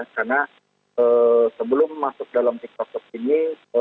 karena sebelum masuk dalam tiktok top ini